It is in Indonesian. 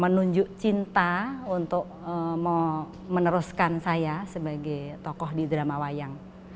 menunjuk cinta untuk meneruskan saya sebagai tokoh di drama wayang